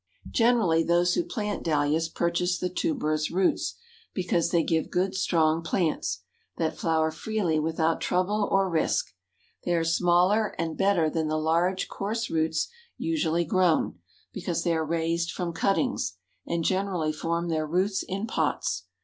Generally those who plant Dahlias purchase the tuberous roots, because they give good strong plants, that flower freely without trouble or risk. They are smaller and better than the large, coarse roots usually grown, because they are raised from cuttings, and generally form their roots in pots.